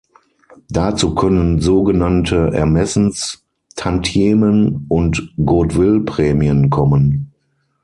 Dazu können so genannte Ermessens-Tantiemen und Goodwill-Prämien kommen.